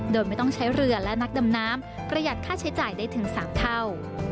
โดยไม่ต้องใช้เรือและนักดำน้ำประหยัดค่าใช้จ่ายได้ถึง๓เท่า